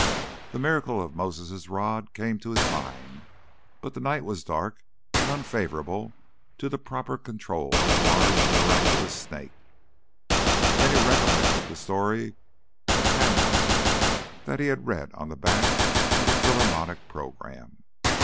The miracle of Moses' rod came to his mind, but the night was dark and unfavourable to the proper control of large miraculous snakes. Then he recollected the story of "Tannhäuser" that he had read on the back of the Philharmonic programme.